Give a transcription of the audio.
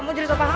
mau juri siapa